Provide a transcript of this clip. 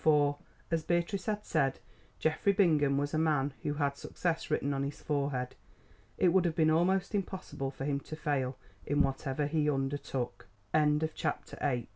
For, as Beatrice had said, Geoffrey Bingham was a man who had success written on his forehead. It would have been almost impossible for him to fail in whatever he undertook. CHAPTER IX.